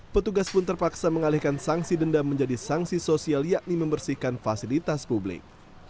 petugas pun terpaksa mengalihkan sanksi denda menjadi sanksi sosial yakni membersihkan fasilitas publik